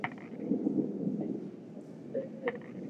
ھيڙين پيري جي